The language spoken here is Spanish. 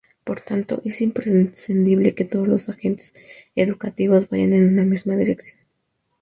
Por tanto, es imprescindible que todos los agentes educativos vayan en una misma dirección.